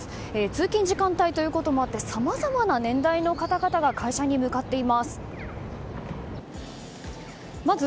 通勤時間帯ということもあってさまざまな年代の方々が会社に向かっています。